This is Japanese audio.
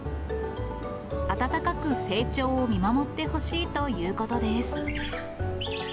温かく成長を見守ってほしいということです。